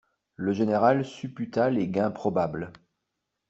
Le général supputa les gains probables.